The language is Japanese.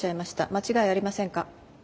間違いありませんか？